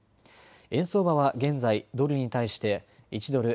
円相場は現在、ドルに対して１ドル